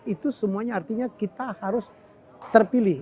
itu semuanya artinya kita harus terpilih